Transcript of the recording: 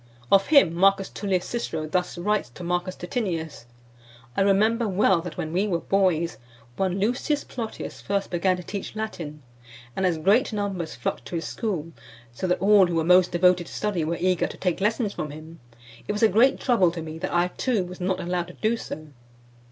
Of him Marcus Tullius Cicero thus writes to Marcus Titinnius : "I remember well that when we were boys, one Lucius Plotius first began to teach Latin; and as great numbers flocked to his school, so that all who were most devoted to study were eager to take lessons from him, it was a great trouble to me that I too was not allowed to do so.